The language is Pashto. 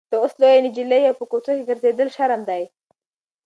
ته اوس لویه نجلۍ یې او په کوڅه کې ګرځېدل شرم دی.